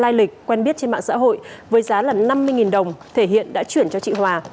lai lịch quen biết trên mạng xã hội với giá là năm mươi đồng thể hiện đã chuyển cho chị hòa